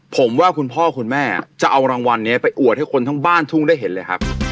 ผมว่าคุณพ่อคุณแม่จะเอารางวัลนี้ไปอวดให้คนทั้งบ้านทุ่งได้เห็นเลยครับ